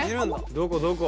どこどこ？